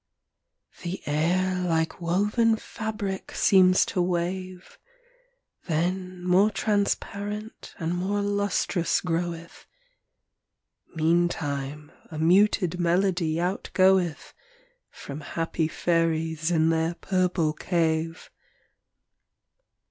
She. The air like woven fabric seems to wave. Then more transparent and more lustrous groweth ; Meantime a muted melody outgoeth From happy fairies in their purple cave.